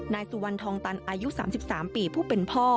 นายสุวรรณทองตันอายุ๓๓ปีผู้เป็นพ่อ